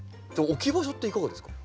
置き場所っていかがですか？